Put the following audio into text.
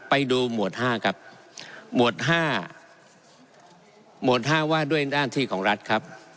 ไปดูหมวด๕ครับหมวด๕หมวด๕ว่าด้วยหน้าที่ของรัฐครับ